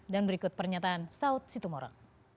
dan berikut pernyataan saud situmorang